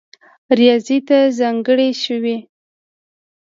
ریاض ته ځانګړې شوې